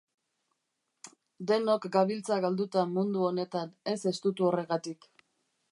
Denok gabiltza galduta mundu honetan, ez estutu horregatik.